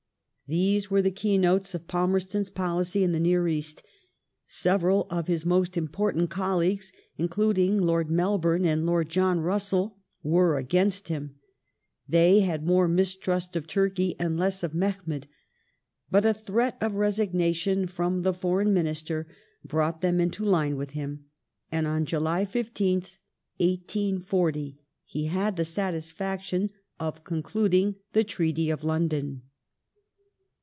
These were the keynotes of Palmei*ston's policy in the near East. Several of his most important colleagues, includ ing Lord Melbourne and Lord John Russell, were against him ; they had more mistrust of Turkey and less of Mehemet ; but a threat of resignation from the Foreign Minister brought them into line with him, and on July 15th, 1840, he had the satisfaction of concluding' the Treaty of London.